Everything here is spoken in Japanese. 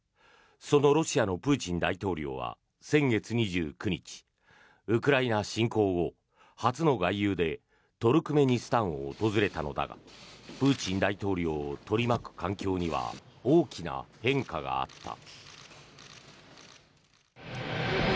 そのロシアのプーチン大統領は先月２９日ウクライナ侵攻後初の外遊でトルクメニスタンを訪れたのだがプーチン大統領を取り巻く環境には大きな変化があった。